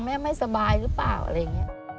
ไม่สบายหรือเปล่าอะไรอย่างนี้